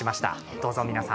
どうぞ皆さん。